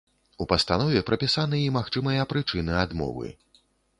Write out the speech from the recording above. У пастанове прапісаны і магчымыя прычыны адмовы.